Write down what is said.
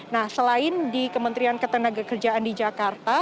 nah selain di kementerian ketenagakerjaan di jakarta